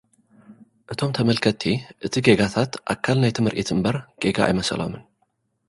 እቶም ተመልከትቲ፡ እቲ ጌጋታት፡ ኣካል ናይቲ ምርኢት እምበር ጌጋ ኣይመሰሎምን።